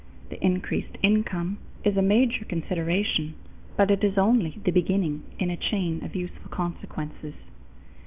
The increased income is a major consideration, but it is only the beginning in a chain of useful consequences.